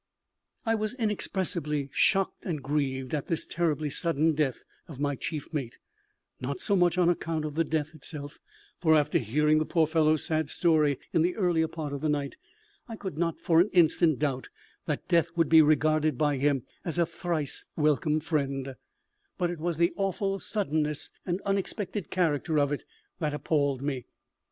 I was inexpressibly shocked and grieved at this terribly sudden death of my chief mate; not so much on account of the death itself for, after hearing the poor fellow's sad story in the earlier part of the night, I could not for an instant doubt that death would be regarded by him as a thrice welcome friend but it was the awful suddenness and unexpected character of it that appalled me.